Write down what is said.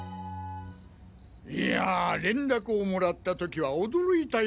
いやぁ連絡をもらった時は驚いたよ